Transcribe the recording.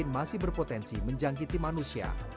masih berpotensi menjangkiti manusia